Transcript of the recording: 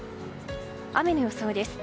雨の予想です。